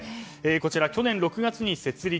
こちら、去年６月に設立。